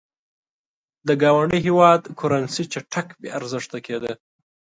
د ګاونډي هېواد کرنسي چټک بې ارزښته کېده.